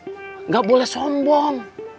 tidak boleh sombong